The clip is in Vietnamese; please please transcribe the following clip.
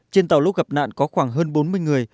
trên tàu lúc gặp nạn có khoảng hơn bốn mươi người